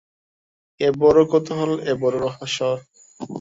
এ বড়ো কৌতূহল, এ বড়ো রহস্য।